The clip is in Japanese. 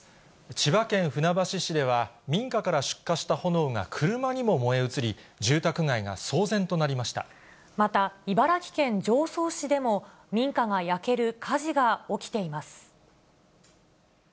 千葉県船橋市では、民家から出火した炎が車にも燃え移り、また、茨城県常総市でも、民家が焼ける火事が起きています。